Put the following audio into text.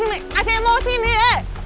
eh masih emosi nih